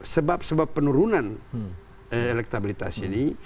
sebab sebab penurunan elektabilitas ini